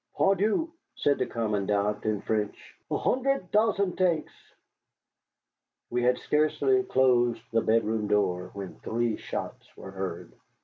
"Pardieu!" said the commandant in French, "a hundred thousand thanks." We had scarcely closed the bedroom door when three shots were heard.